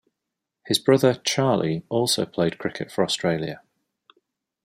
His brother, Charlie, also played cricket for Australia.